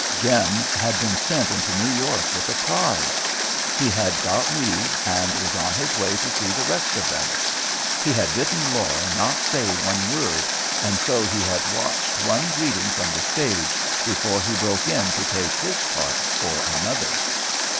Jem had been sent into New York with a prize. He had got leave, and was on his way to see the rest of them. He had bidden Laura not say one word, and so he had watched one greeting from the stage, before he broke in to take his part for another.